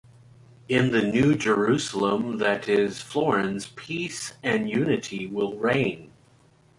In the New Jerusalem that is Florence peace and unity will reign.